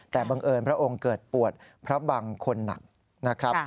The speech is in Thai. แต่บังเอิญพระองค์เกิดปวดพระบังคนหนักนะครับ